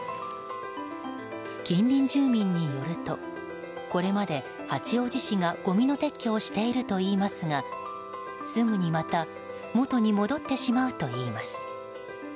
近隣住民によるとこれまで八王子市がごみの撤去をしているといいますがすぐにまた元に戻ってしまうといいます。